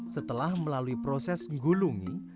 setelah melalui proses nggulungi